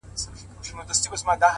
o درد وچاته نه ورکوي،